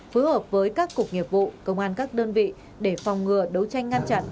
phối hợp với các cục nghiệp vụ công an các đơn vị để phòng ngừa đấu tranh ngăn chặn